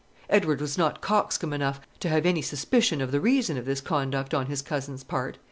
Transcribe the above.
Edward was not coxcomb enough to have any suspicion of the reason of this conduct on his cousin's part.